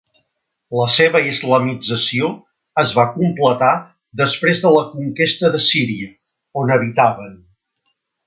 La seva islamització es va completar després de la conquesta de Síria on habitaven.